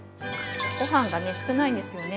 ◆ごはんが少ないんですよね。